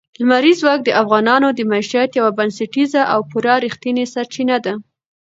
لمریز ځواک د افغانانو د معیشت یوه بنسټیزه او پوره رښتینې سرچینه ده.